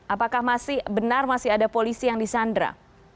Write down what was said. apakah masih benar masih ada polisi yang disandara